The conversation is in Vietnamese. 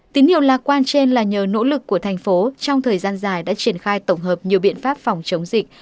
tín hiệu lạc quan trên là nhờ nỗ lực của thành phố trong thời gian dài đã triển khai tổng hợp nhiều biện pháp phòng chống dịch